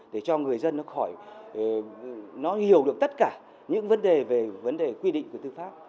để cho người dân nó khỏi nó hiểu được tất cả những vấn đề về vấn đề quy định của tư pháp